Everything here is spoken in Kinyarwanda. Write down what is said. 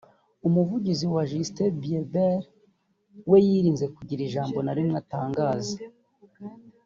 umuvugizi wa Justin Bieber we yirinze kugira ijambo na rimwe atangaza